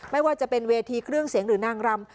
ไม่ว่าจะเป็นเวทีเครื่องเสียงหรือนางรำ